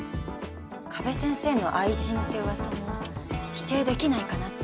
加部先生の愛人って噂も否定できないかなって